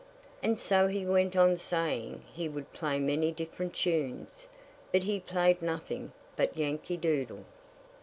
And so he went on saying he would play many different tunes, but he played nothing but "Yankee Doodle."